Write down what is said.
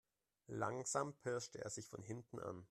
Langsam pirschte er sich von hinten an.